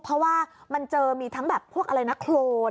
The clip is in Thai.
เพราะว่ามันเจอมีทั้งแบบพวกอะไรนะโครน